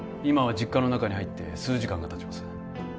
今は実家の中に入って数時間がたちます